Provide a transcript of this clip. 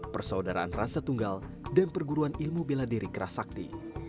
persaudaraan rasa tunggal dan perguruan ilmu bela diri kerasakti